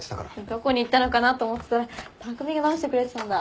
どこに行ったのかなと思ってたら匠が直してくれてたんだ。